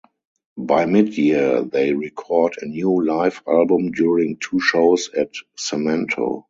By mid-year, they record a new live album during two shows at Cemento.